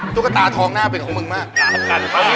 ตุ๊กตาทองหน้าเป็นของมึงมาก